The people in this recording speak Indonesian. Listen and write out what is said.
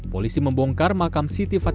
polisi membongkar makam siti fatwa